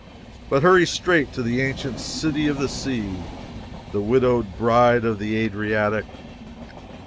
but hurry straight to the ancient city of the sea, the widowed bride of the Adriatic.